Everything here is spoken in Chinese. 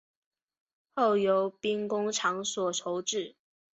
后由兵工厂所铸制。